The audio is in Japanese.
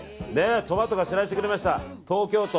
トマトが知らせてくれました。